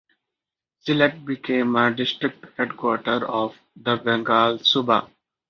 Sylhet became a district headquarter of the Bengal Subah.